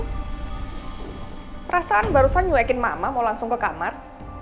perasaan barusan nyuekin mama mau langsung ke kamar